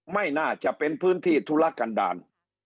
ไม่น่าจะเป็นพื้นที่ธุรกันดาล